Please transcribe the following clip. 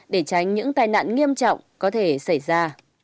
để tránh những tai nạn nghiêm trọng có thể xảy ra